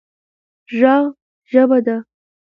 ږغ ژبه ده